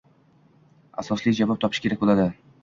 asosli javob topish kerak bo‘ladi.